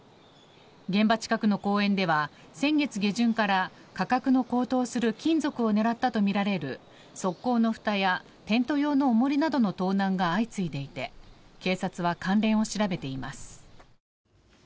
現場近くの公園では先月下旬から価格の高騰する金属を狙ったとみられる側溝のふたやテント用の重りなどの盗難が相次いでいて警察は関連を調べています。